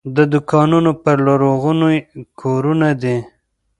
د دوکانونو پر لرغوني کورونه دي.